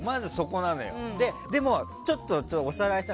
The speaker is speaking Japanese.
でも、ちょっとおさらいしたい。